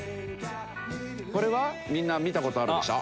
これはみんな見た事あるでしょ？